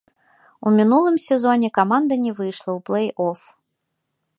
У мінулым сезоне каманда не выйшла ў плэй-оф.